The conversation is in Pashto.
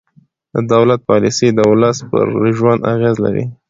د دولت پالیسۍ د ولس پر ژوند اغېز لري